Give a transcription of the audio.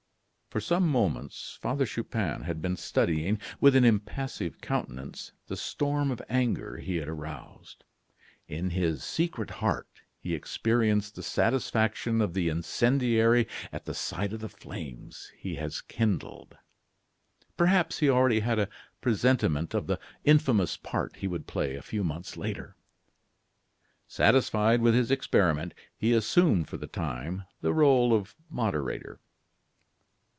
For some moments Father Chupin had been studying, with an impassive countenance, the storm of anger he had aroused. In his secret heart he experienced the satisfaction of the incendiary at the sight of the flames he has kindled. Perhaps he already had a presentiment of the infamous part he would play a few months later. Satisfied with his experiment, he assumed, for the time, the role of moderator.